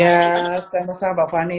ya sama sama pak fani